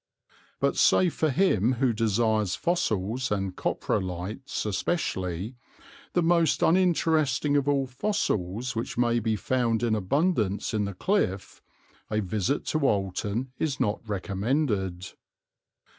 But save for him who desires fossils, and coprolites especially, the most uninteresting of all fossils, which may be found in abundance in the cliff, a visit to Walton is not recommended.